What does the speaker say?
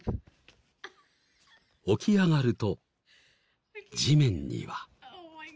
起き上がると地面には。